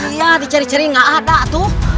iya dicari cari nggak ada tuh